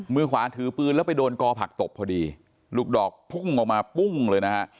มือขวาถือปืนแล้วไปโดนกอผักตบพอดีลูกดอกพุ่งออกมาปุ้งเลยนะฮะ